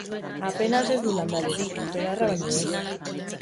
Apenas ez du landarerik, belarra baino ez.